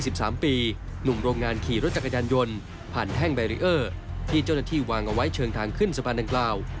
หนุ่มโรงงานขี่รถจักรยานยนต์ผ่านแท่งแบรีเออร์ที่เจ้าหน้าที่วางเอาไว้เชิงทางขึ้นสะพานดังกล่าว